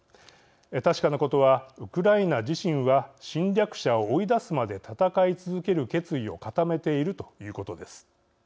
確かなことは、ウクライナ自身は侵略者を追い出すまで戦い続ける決意を固めているということです。